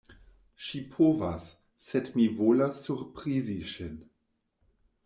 Ŝi povas, sed mi volas surprizi ŝin.